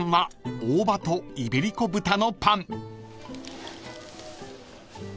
大葉とイベリコ豚の。